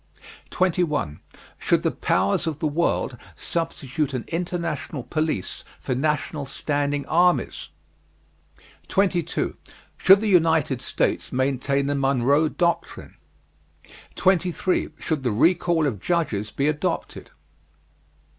21. Should the Powers of the world substitute an international police for national standing armies? 22. Should the United States maintain the Monroe Doctrine? 23. Should the Recall of Judges be adopted?